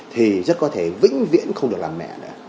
thì rất có thể vĩnh viễn không được làm mẹ nữa